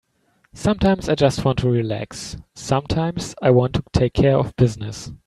Sometimes I just want to relax, sometimes I want to take care of business.